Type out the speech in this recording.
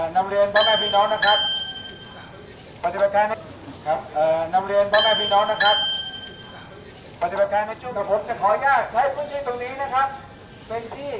นามเรียนพี่น้องด้วยการที่สวนมากขึ้น